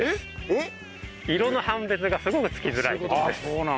えっ？色の判別がすごくつきづらい梨です。